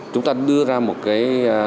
chúng ta đưa ra một cái